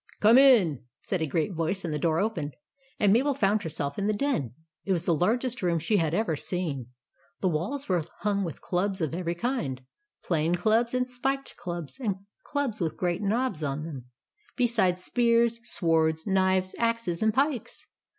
" COME IN !" said a great voice, and the door opened, and Mabel found herself in the den. It was the largest room she had 13 176 THE ADVENTURES OF MABEL ever seen. The walls were hung with clubs of every kind, — plain clubs and spiked clubs, and clubs with great knobs on them — be sides spears, swords, knives, axes, and pikes.